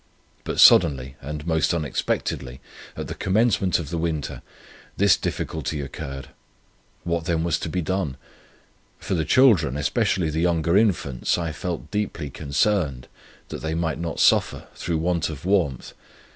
But suddenly, and most unexpectedly, at the commencement of the winter, this difficulty occurred. What then was to be done? For the children, especially the younger infants, I felt deeply concerned, that they might not suffer, through want of warmth.